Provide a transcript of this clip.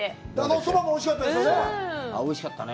そばもおいしかったですよね。